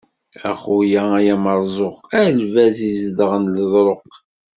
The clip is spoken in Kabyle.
A xuya ay ameṛẓuq, a lbaz izedɣen leḍṛuq.